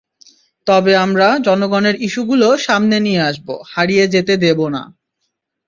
তবে আমরা জনগণের ইস্যুগুলো সামনে নিয়ে আসব, হারিয়ে যেতে দেব না।